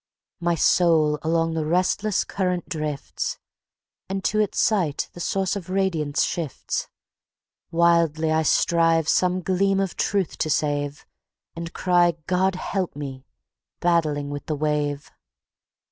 My soul along the restless current drifts, And to its sight the source of radiance shifts; Wildly I strive some gleam of truth to save, And cry, "God help me!" battling with the wave.